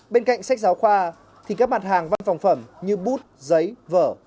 bên cạnh sách giáo khoa thì các mặt hàng văn phòng phẩm như bút giấy vở